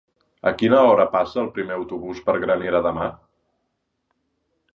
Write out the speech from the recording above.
A quina hora passa el primer autobús per Granera demà?